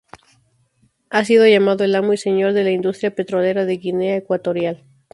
Ha sido llamado el "amo y señor" de la industria petrolera de Guinea Ecuatorial.